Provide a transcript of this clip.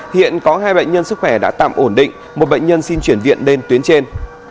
hiện có hai bệnh nhân sức khỏe đã tạm ổn định một bệnh nhân xin chuyển viện lên tuyến trên